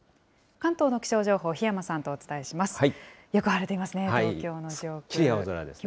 関東の気象情報、檜山さんとお伝えします。